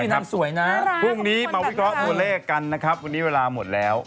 เส็กซี่นั่งสวยนะครับพรุ่งนี้มาวิทย์กอล์ฟบัวเล่กันนะครับวันนี้เวลาหมดแล้ว